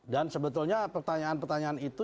dan sebetulnya pertanyaan pertanyaan itu